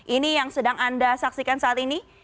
ini yang sedang anda saksikan saat ini